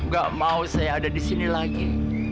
gak mau saya ada disini lagi